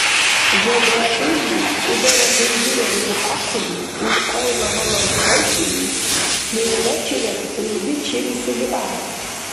ЖабрагӀилли, цӀудара хӀулбира рурхӀяхъули, улкьайла гьала кайили, Лейлачирад хӀулби черисули ахӀенри.